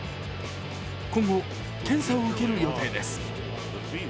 今後、検査を受ける予定です。